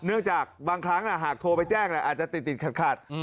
เนื่องจากบางครั้งหากโทรไปแจ้งอาจจะติดขัดอืม